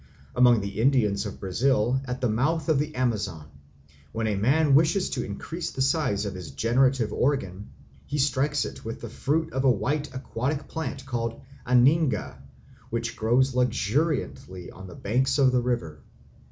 Among the Indians of Brazil at the mouth of the Amazon, when a man wishes to increase the size of his generative organ, he strikes it with the fruit of a white aquatic plant called aninga, which grows luxuriantly on the banks of the river.